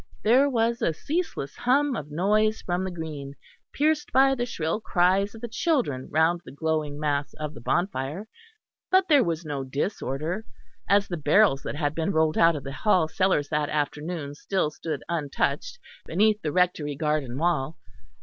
There was a ceaseless hum of noise from the green, pierced by the shrill cries of the children round the glowing mass of the bonfire, but there was no disorder, as the barrels that had been rolled out of the Hall cellars that afternoon still stood untouched beneath the Rectory garden wall.